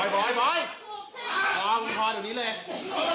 โชคฟัง